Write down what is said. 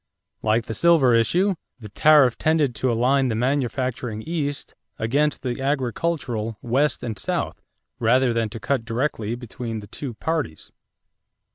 Like the silver issue, the tariff tended to align the manufacturing East against the agricultural West and South rather than to cut directly between the two parties.